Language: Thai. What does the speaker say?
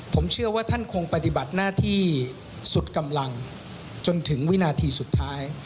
ผมเชื่อว่าท่านคงปฏิบัติหน้าที่สุดกำลังจนถึงวินาทีสุดท้าย